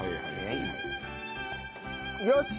よし！